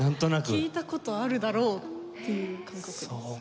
聴いた事あるだろうっていう感覚です。